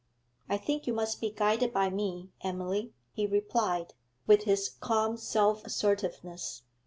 'I think you must be guided by me, Emily,' he replied, with his calm self assertiveness.